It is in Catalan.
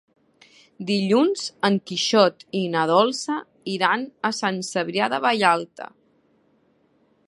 Dilluns en Quixot i na Dolça iran a Sant Cebrià de Vallalta.